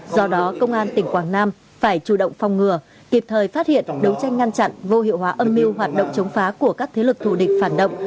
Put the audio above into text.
do đó công an tỉnh quảng nam phải chủ động phòng ngừa kịp thời phát hiện đấu tranh ngăn chặn vô hiệu hóa âm mưu hoạt động chống phá của các thế lực thù địch phản động